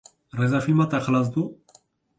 Rêzefîlma te xilas bû?